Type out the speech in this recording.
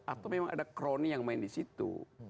atau memang ada kroni yang main di situ